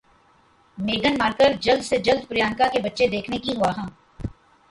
میگھن Markle جلد سے جلد پریانکا کے بچے دیکھنے کی خواہاں